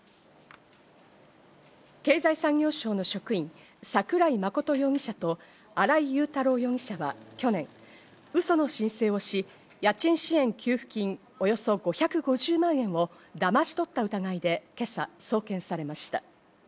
経済産業省の職員、桜井真容疑者と新井雄太郎容疑者は去年、うその申請をし、給付金およそ５５０万円をだまし取った疑いで今朝、送検されました。